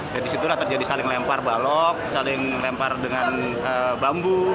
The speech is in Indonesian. jadi disitulah terjadi saling lempar balok saling lempar dengan bambu